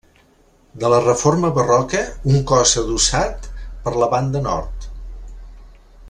De la reforma barroca, un cos adossat per la banda nord.